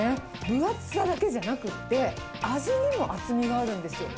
分厚さだけじゃなくって、味にも厚みがあるんですよ。